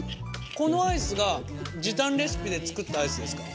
このアイスが時短レシピで作ったアイスですか？